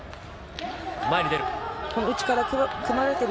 前に出る。